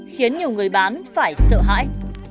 khiến nhiều người bán phải sợ hãi